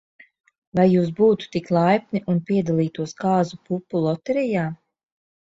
Vai jūs būtu tik laipni, un piedalītos kāzu pupu loterijā?